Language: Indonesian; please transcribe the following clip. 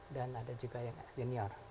dan ada juga yang junior